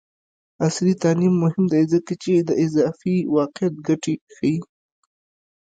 عصري تعلیم مهم دی ځکه چې د اضافي واقعیت ګټې ښيي.